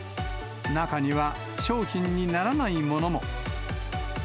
中には商品にならないものも。